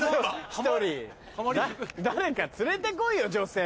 １人誰か連れてこいよ女性。